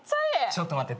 ちょっと待って。